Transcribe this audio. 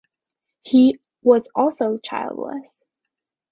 He was also childless.